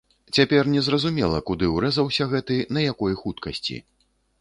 Цяпер незразумела, куды урэзаўся гэты, на якой хуткасці?